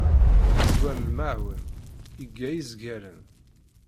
Yezzwer lmaεun, yegga izgaren.